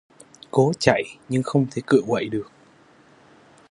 cố chạy nhưng không thể cựa quậy được